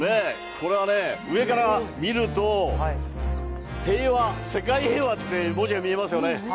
これはね、上から見ると、平和、世界平和って文字が見えますよね。